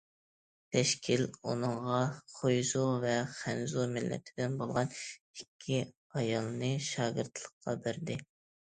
تەشكىل ئۇنىڭغا خۇيزۇ ۋە خەنزۇ مىللىتىدىن بولغان ئىككى ئايالنى شاگىرتلىققا بەردى.